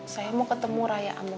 saya mau ketemu raya amuni